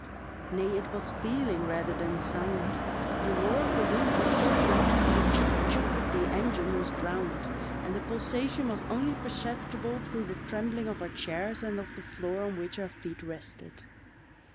Nay, it was feeling rather than sound; the roar of the wind was so great the "choog, choog" of the engine was drowned and the pulsation was only perceptible through the trembling of our chairs and of the floor on which our feet rested.